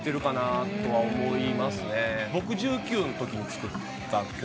僕１９のときに作った曲。